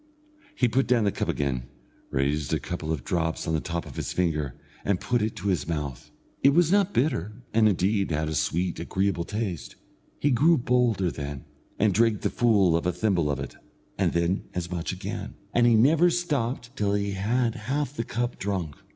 He put down the cup again, raised a couple of drops on the top of his finger, and put it to his mouth. It was not bitter, and, indeed, had a sweet, agreeable taste. He grew bolder then, and drank the full of a thimble of it, and then as much again, and he never stopped till he had half the cup drunk.